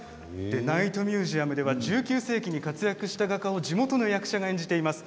ナイトミュージアムでは１９世紀に活躍した画家を地元の役者が演じています。